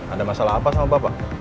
ada masalah apa sama bapak